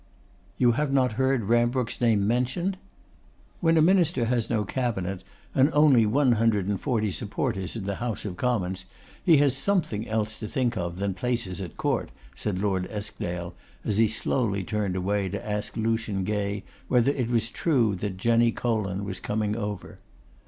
'You have not heard Rambrooke's name mentioned?' 'When a Minister has no Cabinet, and only one hundred and forty supporters in the House of Commons, he has something else to think of than places at Court,' said Lord Eskdale, as he slowly turned away to ask Lucian Gay whether it were true that Jenny Colon was coming over.